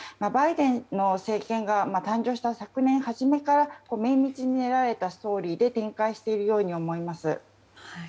バイデン政権が誕生した昨年初めから綿密に練られたストーリーで展開しているように思います。